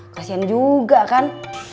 kasian juga kan